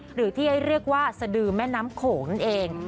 หรือที่ให้เรียกว่าสดือแม่น้ำโขงนั่นเอง